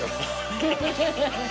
ハハハ